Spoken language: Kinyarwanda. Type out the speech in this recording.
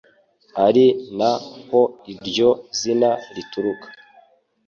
ari na ho iryo zina rituruka.